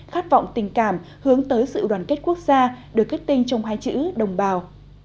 khát vọng tình cảm hướng tới sự đoàn kết quốc gia được kết tinh trong hai chữ đồng bào